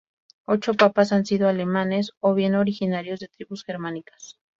Ocho Papas han sido alemanes o bien originarios de tribus germánicas.